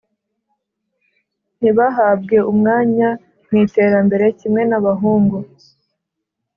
ntibahabwe umwanya mu iterambere kimwe n’abahungu